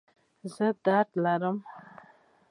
زه درد لرم